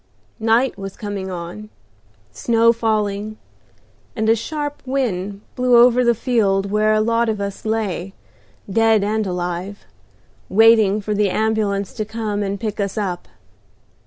Night was coming on, snow falling, and a sharp wind blew over the field where a lot of us lay, dead and alive, waiting for the ambulance to come and pick us up.